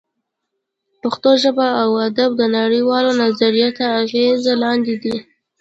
پښتو ژبه او ادب د نړۍ والو نظریو تر اغېز لاندې دی